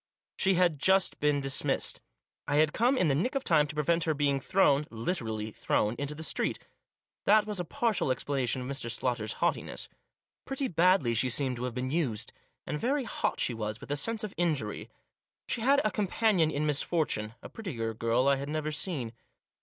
She had just been dismissed. I had come in the nick of time to prevent her being thrown — literally thrown — into the street That was a partial explana tion of Mr. Slaughter's haughtiness. Pretty badly she seemed to have been used. And very hot she was with a sense of injury. She had a companion in misfortune ; a prettier girl I had never seen.